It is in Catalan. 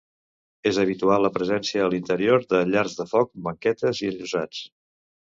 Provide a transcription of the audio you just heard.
És habitual la presència a l'interior de llars de foc, banquetes i enllosats.